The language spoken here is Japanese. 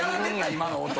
今の音。